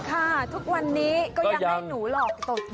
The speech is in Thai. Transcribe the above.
ค่ะทุกวันนี้ก็ยังได้หนูหลอกอยู่ต่อไป